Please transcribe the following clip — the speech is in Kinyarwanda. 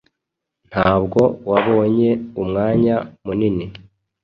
Ntabwo wabonye umwanya munini